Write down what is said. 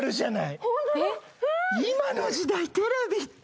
今の時代テレビって。